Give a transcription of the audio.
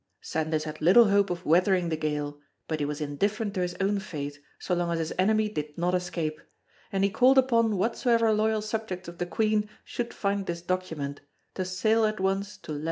Sandys had little hope of weathering the gale, but he was indifferent to his own fate so long as his enemy did not escape, and he called upon whatsoever loyal subjects of the Queen should find this document to sail at once to lat.